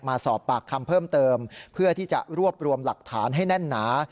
มาสอบปากคำเพิ่มเติมเพื่อที่จะรวบรวมหลักฐานให้แน่นหนา